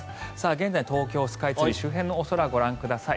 現在の東京スカイツリー周辺の空ご覧ください。